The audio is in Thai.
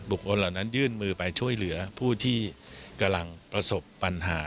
คนเหล่านั้นยื่นมือไปช่วยเหลือผู้ที่กำลังประสบปัญหา